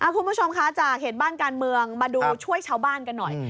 คุณผู้ชมคะจากเหตุบ้านการเมืองมาดูช่วยชาวบ้านกันหน่อย